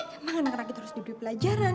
emang anak anak itu harus diberi pelajaran